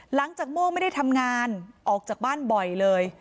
โม่ไม่ได้ทำงานออกจากบ้านบ่อยเลย